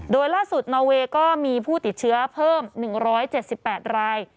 โดยล่าสุดนอเวย์ก็มีผู้ติดเชื้อเพิ่ม๑๗๘ราย